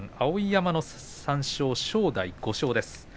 碧山の３勝、正代５勝です。